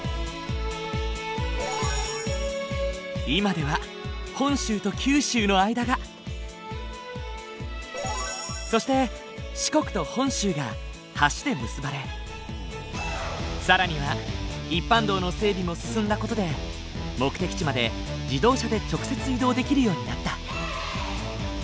今では本州と九州の間がそして四国と本州が橋で結ばれ更には一般道の整備も進んだ事で目的地まで自動車で直接移動できるようになった。